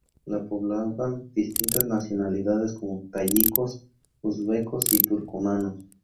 La poblaban distintas nacionalidades, como tayikos, uzbekos y turcomanos.